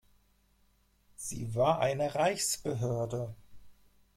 Sie war eine Reichsbehörde.